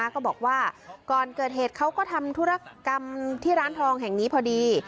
ก็บอกว่าก่อนเกิดเหตุเขาก็ทำธุรกรรมที่ร้านทองแห่งนี้พอดี